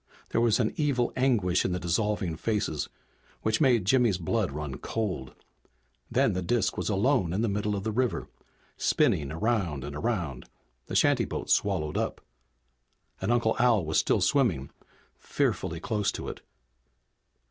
There was an evil anguish in the dissolving faces which made Jimmy's blood run cold. Then the disk was alone in the middle of the river, spinning around and around, the shantyboat swallowed up. And Uncle Al was still swimming, fearfully close to it.